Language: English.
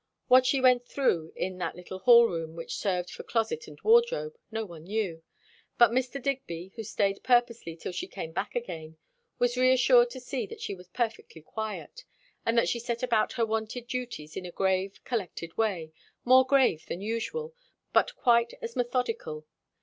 What she went through in the little hall room which served for closet and wardrobe, no one knew; but Mr. Digby, who stayed purposely till she came back again, was reassured to see that she was perfectly quiet, and that she set about her wonted duties in a grave, collected way, more grave than usual, but quite as methodical.